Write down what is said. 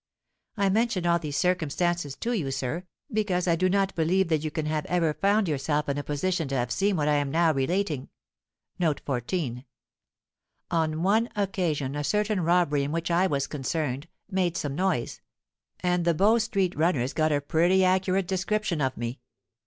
I mention all these circumstances to you, sir, because I do not believe that you can have ever found yourself in a position to have seen what I am now relating. "On one occasion a certain robbery in which I was concerned, made some noise; and the Bow Street runners got a pretty accurate description of me.